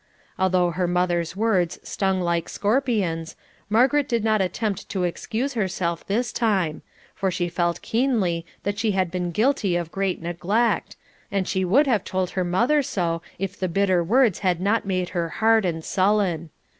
Although her mother's words stung like scorpions, Margaret did not attempt to excuse herself this time, for she felt keenly that she had been guilty of great neglect, and she would have told her mother so if the bitter words had not made her hard and sullen.